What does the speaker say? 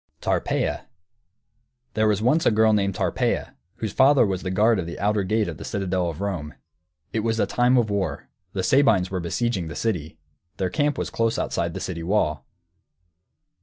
TARPEIA There was once a girl named Tarpeia, whose father was guard of the outer gate of the citadel of Rome. It was a time of war, the Sabines were besieging the city. Their camp was close outside the city wall.